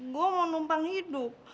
gue mau numpang hidup